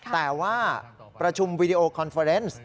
แต่ว่าประชุมวีดีโอคอนเฟอร์เนส์